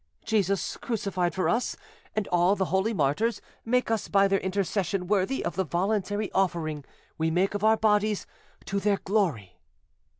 Jesus, crucified for us, and all the holy martyrs, make us by their intercession worthy of the voluntary offering we make of our bodies to their glory!